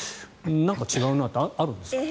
なんか違うなってあるんですか？